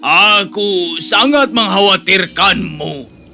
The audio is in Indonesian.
aku sangat mengkhawatirkanmu